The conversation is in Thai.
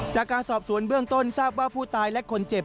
จากการสอบสวนเบื้องต้นทราบว่าผู้ตายและคนเจ็บ